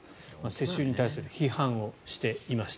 世襲に対する批判をしていました。